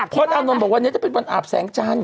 พระอาจารย์บอกวันนี้จะเป็นวันอาบแสงชัน